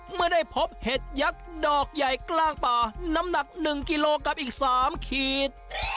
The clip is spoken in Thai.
เมื่อได้พบเห็ดยักษ์ดอกใหญ่กลางป่าน้ำหนัก๑กิโลกรัมอีก๓ขีด